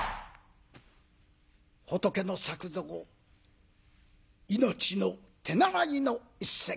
「仏の作蔵命の手習」の一席